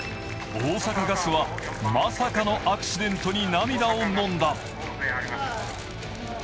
大阪ガスはまさかのアクシデントに涙をのんだ。